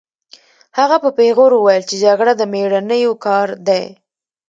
هغه په پیغور وویل چې جګړه د مېړنیو کار دی